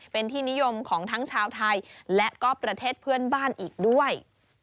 เป็นที่นิยมของทั้งชาวไทยและก็ประเทศเพื่อนบ้านอีกด้วย